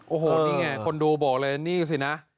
โอ้โหนี่ไงคนดูบอกเลยนี่สินะ